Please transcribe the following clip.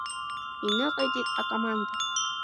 Иныҟаиҵеит акоманда.